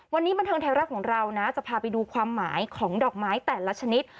วันนี้บันเทิงไทยรัฐของเรานะจะพาไปดูความหมายของดอกไม้แต่ละชนิด